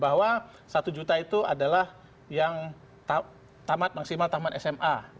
bahwa satu juta itu adalah yang tamat maksimal tamat sma